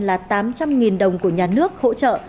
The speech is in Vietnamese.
là tám trăm linh đồng của nhà nước hỗ trợ